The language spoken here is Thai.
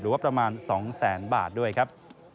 ประมาณ๒แสนบาทด้วยครับ